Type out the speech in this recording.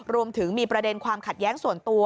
รวมถึงมีประเด็นความขัดแย้งส่วนตัว